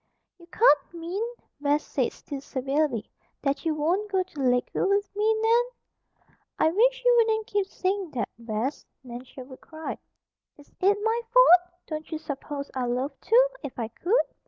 "You can't mean," Bess said, still severely, "that you won't go to Lakeview with me, Nan?" "I wish you wouldn't keep saying that, Bess," Nan Sherwood cried. "Is it my fault? Don't you suppose I'd love to, if I could?